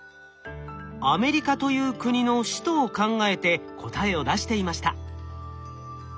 アメリカという国の首都を考えて答えを出していました。